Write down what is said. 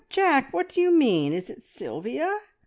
Jack, what do you mean? Is it Sylvia?